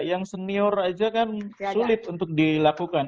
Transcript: yang senior aja kan sulit untuk dilakukan